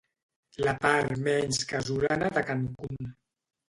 La part menys casolana de Cancún.